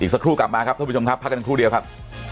สักครู่กลับมาครับท่านผู้ชมครับพักกันครู่เดียวครับ